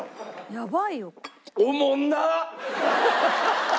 「やばいよ」